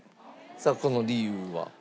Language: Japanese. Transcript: さあこの理由は？